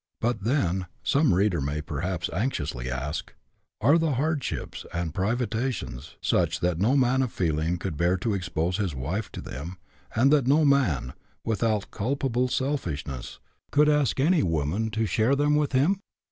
But then (some reader may perhaps anxiously ask), are the hardships and priva tions such that no man of feeling could bear to expose his wife to them, and that no man, without culpable selfishness, could ask any woman to share them with him